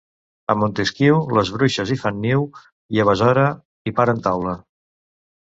A Montesquiu, les bruixes hi fan niu, i a Besora hi paren taula.